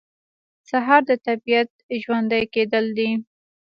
سهار د طبیعت ژوندي کېدل دي.